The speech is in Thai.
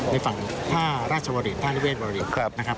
ในฝั่งท่าราชวรินท่าระเวทบริษนะครับ